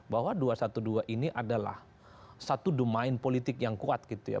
bahwa dua ratus dua belas ini adalah satu domain politik yang kuat gitu ya